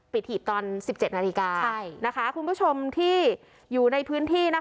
หีบตอน๑๗นาฬิกาคุณผู้ชมที่อยู่ในพื้นที่นะคะ